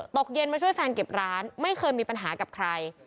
ตกเย็นมาช่วยแฟนเก็บร้านไม่เคยมีปัญหากับใคร